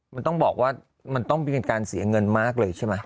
มันต้องบอกว่ามันต้องเป็นการเสียเงินมากเลยใช่ไหม